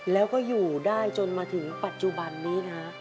แล้วก็อยู่ได้จนมาถึงปัจจุบันนี้นะ